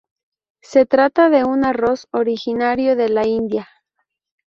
Se trata de un arroz originario de la India.